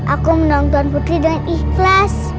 aku menang tuan putri dengan ikhlas